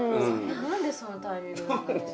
何でそのタイミングなんだろ。